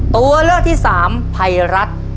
ตัวเลือกที่สามภัยรัฐ